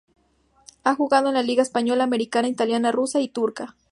Ha jugado en la liga española, americana, italiana, rusa y turca.